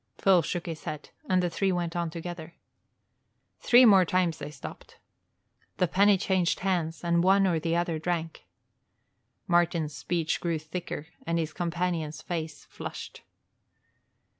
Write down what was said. Phil shook his head, and the three went on together. Three times more they stopped. The penny changed hands and one or the other drank. Martin's speech grew thicker and his companion's face flushed.